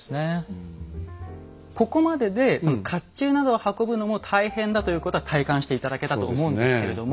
ここまででその甲冑などを運ぶのも大変だということは体感して頂けたと思うんですけれども。